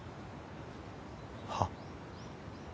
はっ？